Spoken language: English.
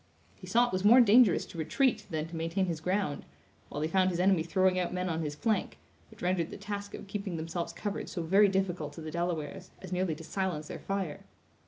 He saw it was more dangerous to retreat than to maintain his ground: while he found his enemy throwing out men on his flank; which rendered the task of keeping themselves covered so very difficult to the Delawares, as nearly to silence their fire.